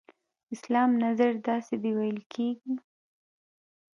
اسلام نظر داسې دی ویل کېږي.